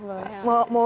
boleh boleh boleh